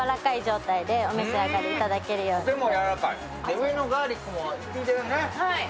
上のガーリックも効いてるね。